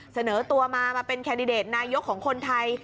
เสนอตัวมามาเป็นแคนดิเดตนายกของคนไทย